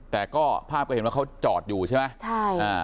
แต่ก็ภาพก็เห็นว่าเขาจอดอยู่ใช่ไหมใช่อ่า